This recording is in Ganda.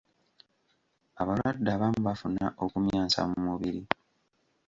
Abalwadde abamu bafuna okumyansa mu mubiri.